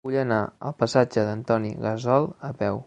Vull anar al passatge d'Antoni Gassol a peu.